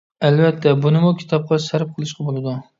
ئەلۋەتتە، بۇنىمۇ كىتابقا سەرپ قىلىشقا بولىدۇ.